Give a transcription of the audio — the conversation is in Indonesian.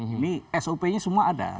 ini sop nya semua ada